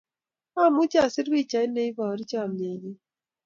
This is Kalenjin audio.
Amuchi asir pichai ne iporu chamyenyo